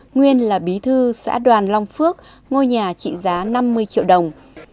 nguyên là bí thư xã đoàn long phước ngôi nhà trị giá năm mươi triệu đồng